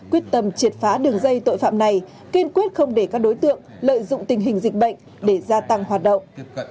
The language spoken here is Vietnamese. quyết tâm triệt phá đường dây tội phạm này kiên quyết không để các đối tượng lợi dụng tình hình dịch bệnh để gia tăng hoạt động